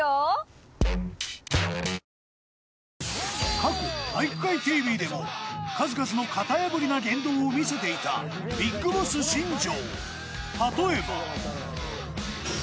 過去体育会ＴＶでも数々の型破りな言動を見せていたＢＩＧＢＯＳＳ新庄